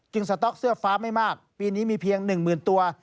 จึงสต๊อกเสื้อฟ้าไม่มากปีนี้มีเพียงหนึ่งหมื่นตัว